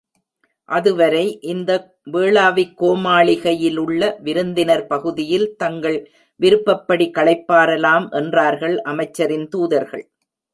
அதுவரை இந்த வேளாவிக்கோமாளிகையில் உள்ள விருந்தினர் பகுதியில் தங்கள் விருப்பப்படி களைப்பாறலாம் என்றார்கள் அமைச்சரின் தூதர்கள்.